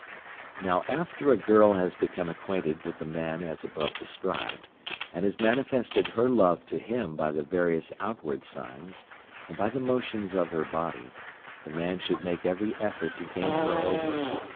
Now after a girl has become acquainted with the man as above described, and has manifested her love to him by the various outward signs; and by the motions of her body, the man should make every effort to gain her over.